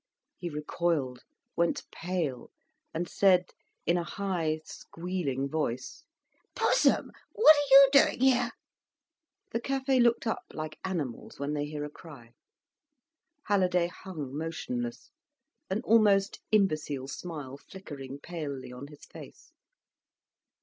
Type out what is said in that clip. He recoiled, went pale, and said, in a high squealing voice: "Pussum, what are you doing here?" The café looked up like animals when they hear a cry. Halliday hung motionless, an almost imbecile smile flickering palely on his face.